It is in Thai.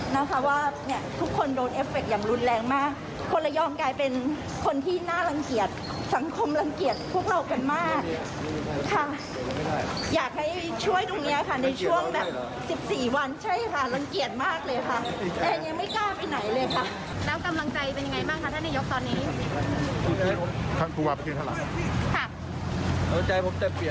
นะคะว่าเนี่ยทุกคนโดนเอฟเคอย่างรุนแรงมากคนระยองกลายเป็นคนที่น่ารังเกียจสังคมรังเกียจพวกเรากันมากค่ะอยากให้ช่วยตรงเนี้ยค่ะในช่วงแบบสิบสี่วันใช่ค่ะรังเกียจมากเลยค่ะแอนยังไม่กล้าไปไหนเลยค่ะแล้วกำลังใจเป็นยังไงบ้างคะท่านนายกตอนนี้